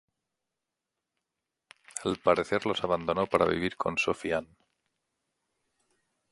Al parecer los abandonó para vivir con Sophie-Anne.